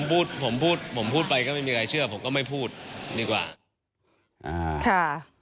พูดผมพูดผมพูดไปก็ไม่มีใครเชื่อผมก็ไม่พูดดีกว่าอ่าค่ะ